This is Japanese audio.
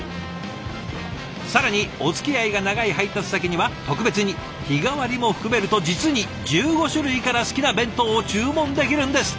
更におつきあいが長い配達先には特別に日替わりも含めると実に１５種類から好きな弁当を注文できるんですって。